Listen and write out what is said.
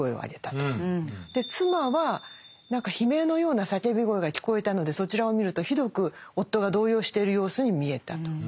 妻は悲鳴のような叫び声が聞こえたのでそちらを見るとひどく夫が動揺している様子に見えたと。